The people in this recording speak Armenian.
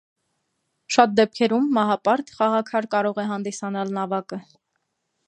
Շատ դեպքերում «մահապարտ» խաղաքար կարող է հանդիսանալ նավակը։